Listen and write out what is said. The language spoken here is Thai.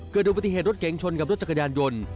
เกิดอุบัติเหตุรถเก๋งชนกับรถจักรยานยนต์